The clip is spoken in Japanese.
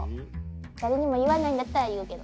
誰にも言わないんだったら言うけど。